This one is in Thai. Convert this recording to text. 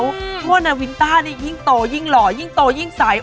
เพราะว่านาวินต้านี่ยิ่งโตยิ่งหล่อยิ่งโตยิ่งใส